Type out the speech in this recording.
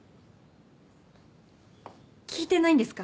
聞いてないんですか？